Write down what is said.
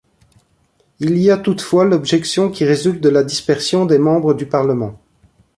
Il y a toutefois l'objection qui résulte de la dispersion des membres du Parlement.